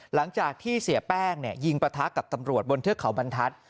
หลังจากที่เสียแป้งยิงปะทะกับตำรวจบนเทือกเขาบรรทัศน์